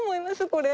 これ。